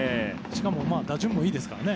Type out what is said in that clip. しかも打順もいいですからね。